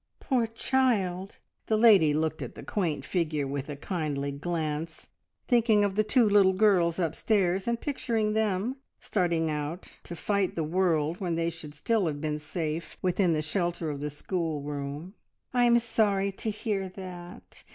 "Poor child!" The lady looked at the quaint figure with a kindly glance, thinking of the two little girls upstairs, and picturing them starting out to fight the world when they should still have been safe within the shelter of the schoolroom. "I'm sorry to hear that.